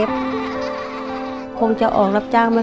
พี่น้องของหนูก็ช่วยย่าทำงานค่ะ